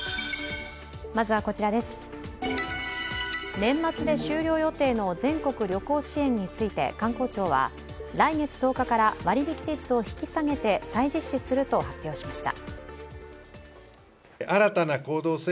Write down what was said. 年末で終了予定の全国旅行支援について観光庁は来月１０日から割引率を引き下げて再実施すると発表しました。